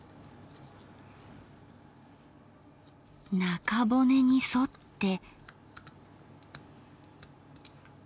中骨に沿って。